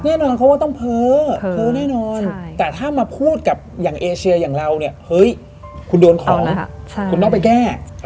แน่นอนเขาว่าต้องเพ้อเพ้อแน่นอนแต่ถ้ามาพูดกับอย่างเอเชียอย่างเราเนี่ยเฮ้ยคุณโดนของคุณต้องไปแก้